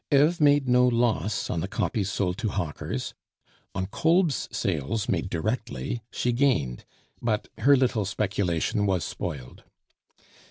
Eve made no loss on the copies sold to hawkers; on Kolb's sales, made directly, she gained; but her little speculation was spoiled.